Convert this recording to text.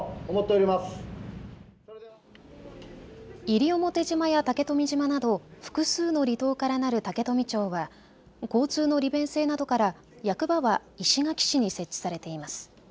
西表島や竹富島など複数の離島からなる竹富町は交通の利便性などから役場は石垣市に設置されています。